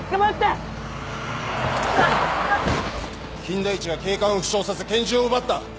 金田一が警官を負傷させ拳銃を奪った。